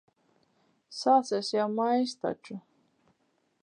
Sācies jau maijs taču.